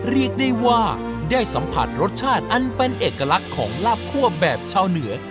เรียกได้ว่าได้สัมผัสรสชาติอันเป็นเอกลักษณ์ของลาบคั่วแบบชาวเหนือ